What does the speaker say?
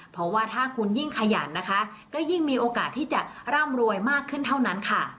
เพราะว่าถ้าคุณยิ่งขยันนะคะก็ยิ่งมีโอกาสที่จะร่ำรวยมากขึ้นเท่านั้นค่ะ